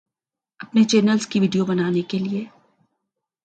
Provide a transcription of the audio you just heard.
اپنے چینلز کی ویڈیو بنانے کے لیے